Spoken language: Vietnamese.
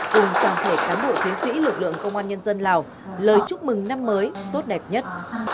cùng toàn thể cán bộ chiến sĩ lực lượng công an nhân dân lào lời chúc mừng năm mới tốt đẹp nhất